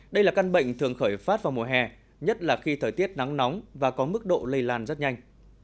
đây là căn bệnh thường khởi phát vào mùa hè nhất là khi thời tiết nắng nóng và có mức độ lây lan rất nhanh